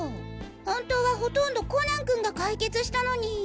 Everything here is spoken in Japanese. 本当はほとんどコナン君が解決したのに。